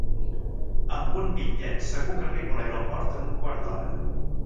Amb un bitllet segur que arribo a l'aeroport en un quart d'hora.